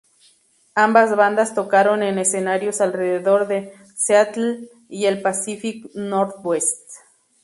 Ambas bandas tocaron en escenarios alrededor de Seattle y el Pacific Northwest.